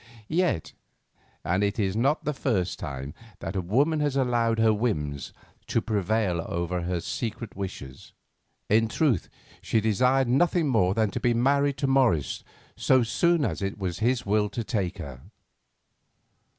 Yet—and it is not the first time that a woman has allowed her whims to prevail over her secret wishes—in truth she desired nothing more than to be married to Morris so soon as it was his will to take her.